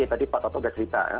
tadi pak toto udah cerita ya